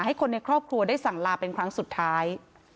ให้คนในครอบครัวได้สั่งลาเป็นครั้งสุดท้าย